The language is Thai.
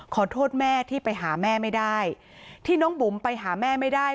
ขอโทษแม่ที่ไปหาแม่ไม่ได้ที่น้องบุ๋มไปหาแม่ไม่ได้